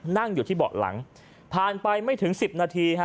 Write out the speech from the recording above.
นั่งอยู่ที่เบาะหลังผ่านไปไม่ถึง๑๐นาทีฮะ